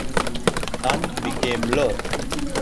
None became law.